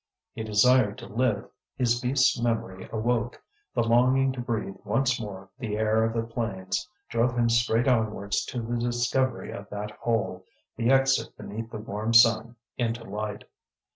He desired to live, his beast's memory awoke; the longing to breathe once more the air of the plains drove him straight onwards to the discovery of that hole, the exit beneath the warm sun into light.